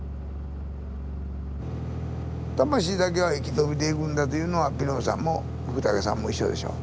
魂だけは生き延びていくんだというのはピノーさんも福武さんも一緒でしょ。